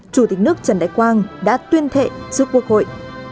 chủ tịch nước trần đại quang đã tuyên thệ trước quốc hội